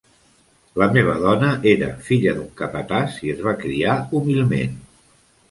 La meva dona era filla d'un capatàs i es va criar humilment.